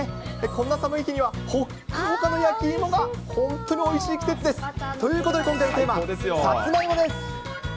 こんな寒い日には、ほっかほかの焼き芋が本当においしい季節です。ということで、今回のテーマはさつまいもです。